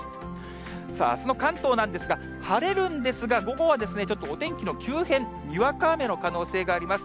さあ、あすの関東なんですが、晴れるんですが、午後はちょっとお天気の急変、にわか雨の可能性があります。